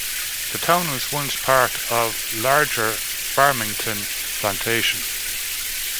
The town was once part of larger Farmington Plantation.